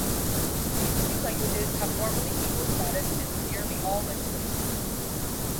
These two languages have formally equal status in nearly all legislation.